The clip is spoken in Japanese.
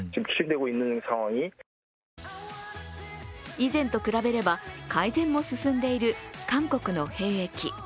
以前と比べれば改善も進んでいる韓国の兵役。